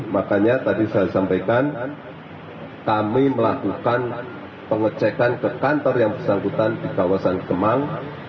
makanya tadi saya sampaikan kami melakukan pengecekan ke kantor yang bersangkutan di kawasan kemang